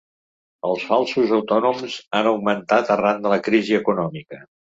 Els falsos autònoms han augmentat arran de la crisi econòmica.